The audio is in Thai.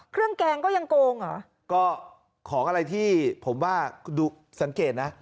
เครื่องแกงก็ยังโกงหรอก็แหละของอะไรที่ผมว่าดูสังเกตนะ